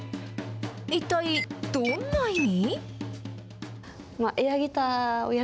一体どんな意味？